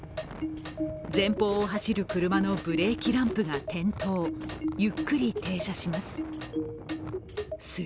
前方を走る車のブレーキランプが点灯、ゆっくり停車します。